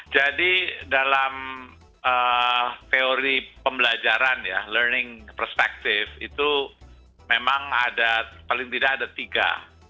jadi dalam teori pembelajaran ya learning perspective itu memang ada paling tidak ada tiga